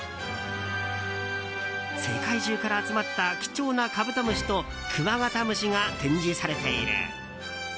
世界中から集まった、貴重なカブトムシとクワガタムシが展示されている。